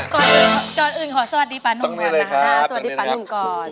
ก่อนอื่นขอสวัสดีปานุงก่อนนะสวัสดีปานุงก่อน